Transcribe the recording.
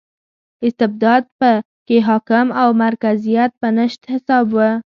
استبداد په کې حاکم او مرکزیت په نشت حساب و.